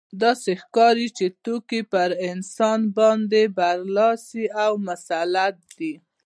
داسې ښکاري چې توکي په انسان باندې برلاسي او مسلط دي